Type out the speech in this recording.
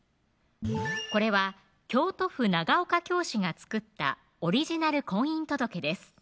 これは京都府長岡京市が作ったオリジナル婚姻届です